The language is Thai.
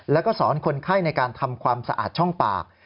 แล้วก็สอนคนไข้ในการทำความสะอาดช่องปาก